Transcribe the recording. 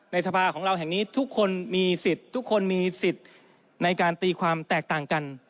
สภาของเราแห่งนี้ทุกคนมีสิทธิ์ทุกคนมีสิทธิ์ในการตีความแตกต่างกัน